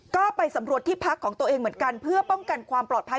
ก็ไปสำรวจที่พักของตัวเองเหมือนกันเพื่อป้องกันความปลอดภัย